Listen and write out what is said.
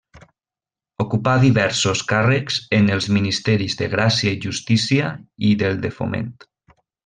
Ocupà diversos càrrecs en els ministeris de Gràcia i Justícia i del de Foment.